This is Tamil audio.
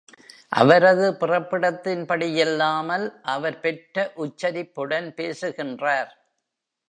அவரது பிறப்பிடத்தின்படியில்லாமல், அவர் பெற்ற உச்சரிப்புடன் பேசுகின்றார்.